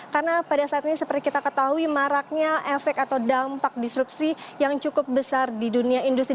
karena pada saat ini seperti kita ketahui maraknya efek atau dampak disruksi yang cukup besar di dunia industri